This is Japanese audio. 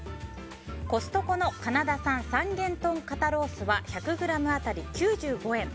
コストコのカナダ産三元豚肩ロースは１００ｇ当たり９５円。